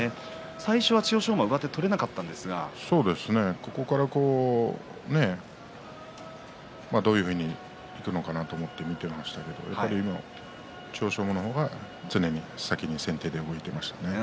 最初、千代翔馬、上手をそこからどういうふうにいくのかなと思って見ていましたけれど千代翔馬の方が常に先手で動いていましたね。